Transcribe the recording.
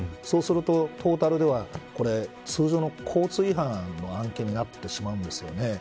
そうすると、トータルでは通常の交通違反の案件になってしまうんですよね。